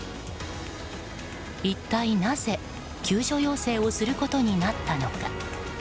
一体なぜ、救助要請をすることになったのか。